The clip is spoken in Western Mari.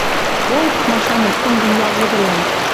Полк, машанет, тӹнгӹн ялжы вӹлӓн.